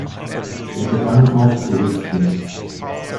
Er begann aufzurüsten.